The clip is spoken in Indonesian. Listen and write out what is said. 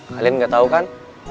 kalian gak tau kan